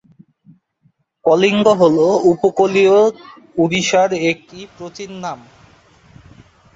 কলিঙ্গ হল উপকূলীয় ওড়িশার একটি প্রাচীন নাম।